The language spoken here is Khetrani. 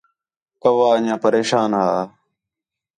کَوّّا انڄیاں پریشان ہا